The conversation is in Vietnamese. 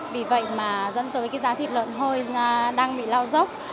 vì vậy mà dẫn tới cái giá thịt lợn hơi đang bị lao dốc